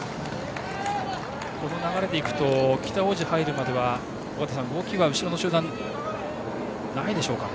この流れでいくと北大路に入るまでは動きは後ろの集団ないでしょうかね。